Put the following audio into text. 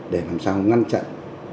để làm sao ngăn chặn